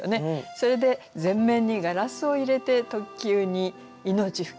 それで「前面にガラスを入れて特急に命吹き込む」